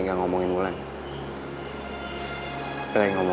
sekarang kalau lalu